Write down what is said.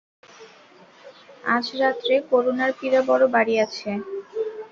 আজ রাত্রে করুণার পীড়া বড়ো বাড়িয়াছে।